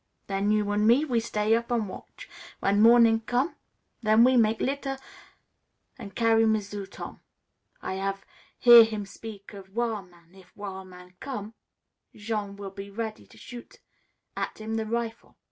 Then, you an' me, we stay up an' watch. W'en morning com', then we mak' litter an' carry M'sieu' Tom. I hav' hear him speak of wil' man. If wil' man com', Jean will be ready to shoot at him the rifle.